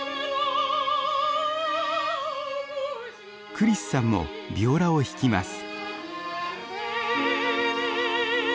クリスさんもビオラを弾きます。